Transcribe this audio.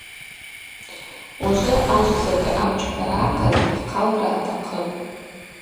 Ужвы ажв закӏы амчпара ахъаз хӏхъалра атахъыпӏ.